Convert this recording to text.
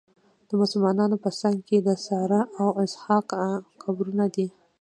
د مسلمانانو په څنګ کې د ساره او اسحاق قبرونه دي.